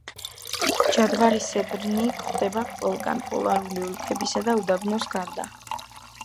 ჯადვარისებრნი გვხვდება ყველგან, პოლარული ოლქებისა და უდაბნოს გარდა.